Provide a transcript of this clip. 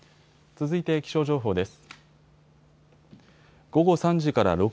続いて気象情報です。